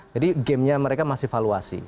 jadi gamenya mereka masih valuasi